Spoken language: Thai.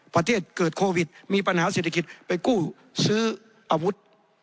ประเทศเกิดโควิดมีปัญหาเศรษฐกิจไปกู้ซื้ออาวุธ